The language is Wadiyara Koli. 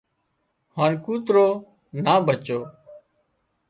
هانَ ڪوترو نا ڀچو